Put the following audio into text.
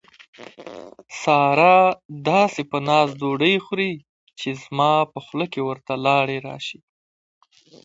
ساره داسې په ناز ډوډۍ خوري، چې زما په خوله کې ورته لاړې راشي.